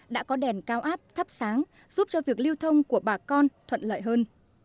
đã có đèn cao áp thắp sáng giúp cho việc lưu thông của bà con thuận lợi hơn